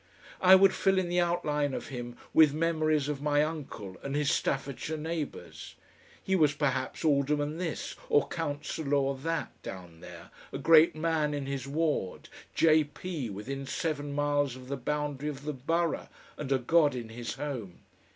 I would fill in the outline of him with memories of my uncle and his Staffordshire neighbours. He was perhaps Alderman This or Councillor That down there, a great man in his ward, J. P. within seven miles of the boundary of the borough, and a God in his home.